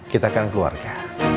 kita kan keluarga